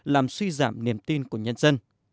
làm suy giảm niềm tin của nhân dân